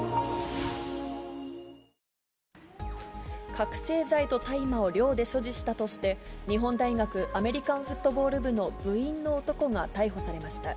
覚醒剤と大麻を寮で所持したとして、日本大学アメリカンフットボール部の部員の男が逮捕されました。